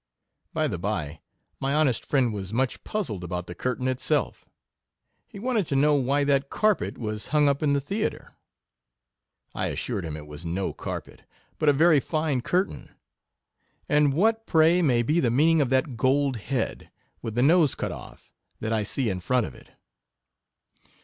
By the by, my honest friend was much puzzled about the curtain itself. He wanted to know why that carpet was hung up in the theatre? I assured him it was no carpet, but a very fine curtain. And what, pray, may be the meaning of that gold head, with the nose cut off, that I see in front of it